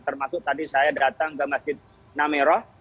termasuk tadi saya datang ke masjid namero